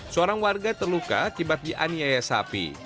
seorang warga terluka akibat dianiaya sapi